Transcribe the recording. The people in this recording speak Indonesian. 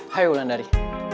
hai ulan dari